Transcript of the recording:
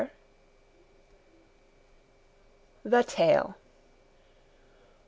THE TALE.